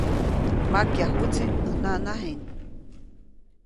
Makyajuʼtsi ʼäj nanajiʼŋ.